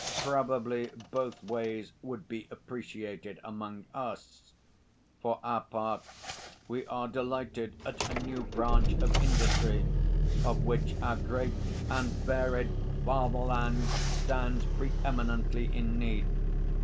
Probably both ways would be appreciated among us. For our part, we are delighted at a new branch of industry, of which our great and varied fatherland stands pre eminently in need.